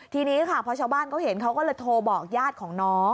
ทีนี้ค่ะพอชาวบ้านเขาเห็นเขาก็เลยโทรบอกญาติของน้อง